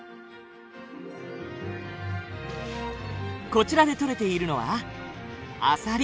こちらで取れているのはアサリ。